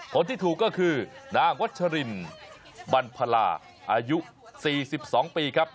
คนที่ถูกก็คือนางวัชรินบรรพลาอายุ๔๒ปีครับ